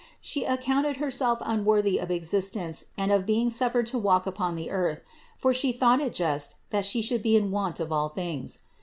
She accounted Herself unworthy of existence and of being suffered to walk upon the earth; for She thought it just, that She should be in want of all things.